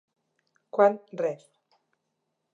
Quan Rev.